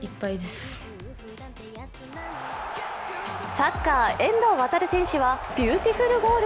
サッカー、遠藤航選手はビューティフルゴール。